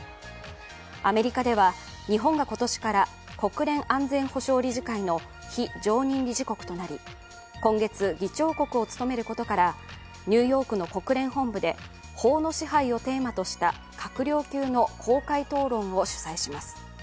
アメリカでは日本が今年から国連安全保障理事会の非常任理事国となり、今月議長国を務めることからニューヨークの国連本部で法の支配をテーマとした閣僚級の公開討論を主催します。